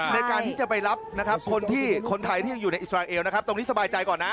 ในการที่จะไปรับคนไทยที่อยู่ในอิสราเอลตรงนี้สบายใจก่อนนะ